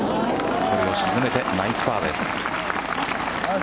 これを沈めてナイスパーです。